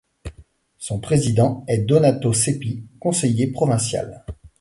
Son président est Donato Seppi, conseiller provincial.